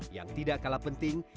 yang tidak kalah penting